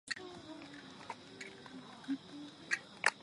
钝叶树棉为锦葵科棉属下的一个变种。